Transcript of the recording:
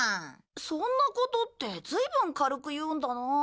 「そんなこと」ってずいぶん軽く言うんだな。